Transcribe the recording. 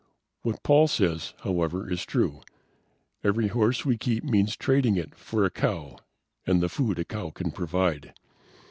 What Paul says, however, is true: Every horse we keep means trading it for a cow and the food a cow can provide.